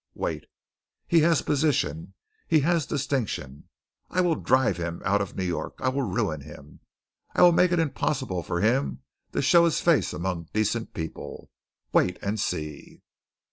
Wait! He has position, he has distinction. I will drive him out of New York. I will ruin him. I will make it impossible for him to show his face among decent people. Wait and see!"